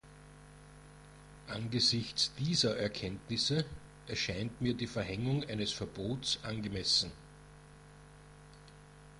Angesichts dieser Erkenntnisse erscheint mir die Verhängung eines Verbots angemessen.